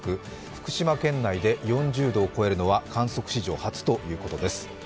福島県内で４０度を超えるのは観測史上初ということです。